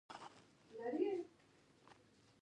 زردالو د بوډا خلکو لپاره هم مفید دی.